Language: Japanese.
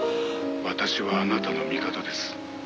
「私はあなたの味方です」